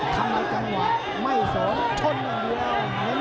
ทำอะไรจังหวะไม่สนชนอย่างเดียว